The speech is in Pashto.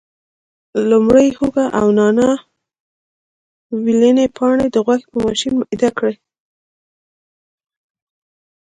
لومړی هوګه او نانا ویلني پاڼې د غوښې په ماشین میده کړي.